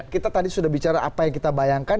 kita tadi sudah bicara apa yang kita bayangkan